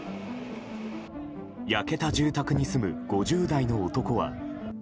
焼けた住宅に住む５０代の男は。